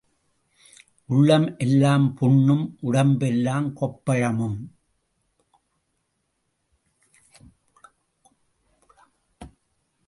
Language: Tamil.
உள்ளம் எல்லாம் புண்ணும் உடம்பெல்லாம் கொப்புளமும்.